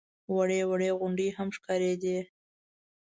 وړې وړې غونډۍ هم ښکارېدې.